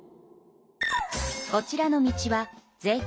こちらの道は税金